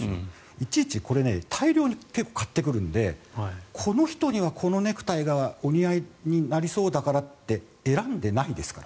いちいち、大量に買ってくるのでこの人には、このネクタイがお似合いになりそうだからって選んでないですから。